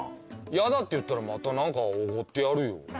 ヤダって言ったらまた何かおごってやるよ。